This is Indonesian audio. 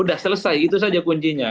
sudah selesai itu saja kuncinya